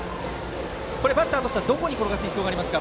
バッターとしてはどこに転がす必要がありますか。